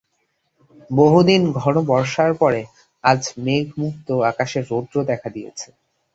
বহুদিন ঘন বর্ষার পরে আজ মেঘমুক্ত আকাশে রৌদ্র দেখা দিয়াছে।